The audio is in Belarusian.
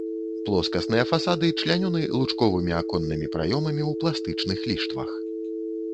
Плоскасныя фасады члянёны лучковымі аконнымі праёмамі ў пластычных ліштвах.